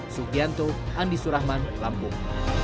sugianto andi surahman lampung